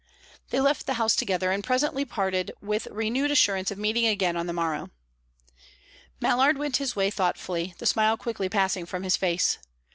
They left the house together, and presently parted with renewed assurance of meeting again on the morrow. Mallard went his way thoughtfully, the smile quickly passing from his face.